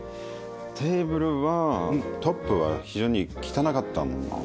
テーブルはトップは非常に汚かったんですよ。